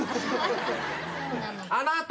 あなた！